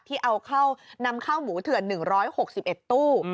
ที่เอานำเข้าหมูเถื่อน๑๖๑ตู้